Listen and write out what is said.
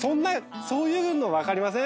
そういうの分かりません？